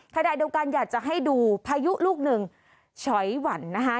ขณะเดียวกันอยากจะให้ดูพายุลูกหนึ่งฉอยหวั่นนะคะ